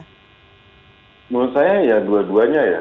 menurut saya ya dua duanya ya